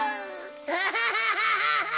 アハハハハ！